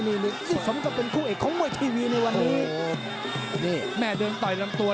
นี่นี่สมกับเป็นคู่เอกของมวยทีวีในวันนี้โอ้โหนี่แม่เดินต่อยลำตัว